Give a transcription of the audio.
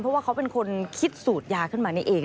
เพราะว่าเขาเป็นคนคิดสูตรยาขึ้นมานี่เอง